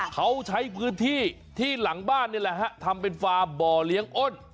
เขาใช้พื้นที่ที่หลังบ้านนี่แหละฮะทำเป็นฟาร์มบ่อเลี้ยงอ้น